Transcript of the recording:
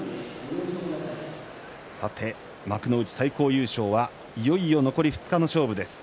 さて幕内最高優勝はいよいよ残り２日の勝負です。